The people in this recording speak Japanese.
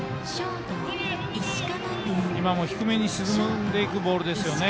今も低めに沈んでいくボールですね。